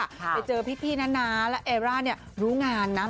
ไปเจอพี่นานาแล้วแอร่ารู้งานนะ